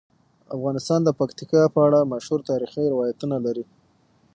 افغانستان د پکتیکا په اړه مشهور تاریخی روایتونه لري.